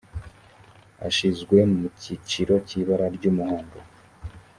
ashyizwe mu cyiciro cy ibara ry umuhondo